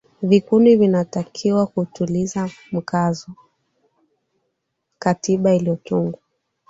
vikundi vinatakiwa kutilia mkazo katiba iliyotungwa